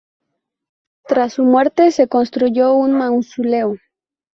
Tras su muerte, se construyó un mausoleo.